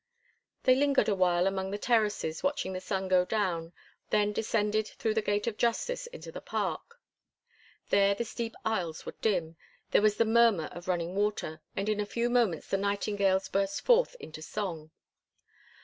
They lingered awhile among the terraces watching the sun go down, then descended through the Gate of Justice into the park. There the steep aisles were dim, there was the murmur of running water, and in a few moments the nightingales burst forth into song.